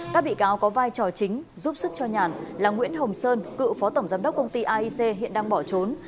các bị cáo có vai trò chính giúp sức cho nhàn là nguyễn hồng sơn cựu phó tổng giám đốc công ty aic hiện đang bỏ trốn